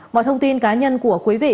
mọi thông tin cá nhân của quý vị